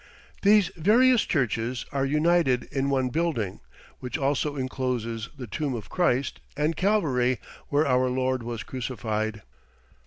These various churches are united in one building, which also encloses the Tomb of Christ, and Calvary, where our Lord was crucified.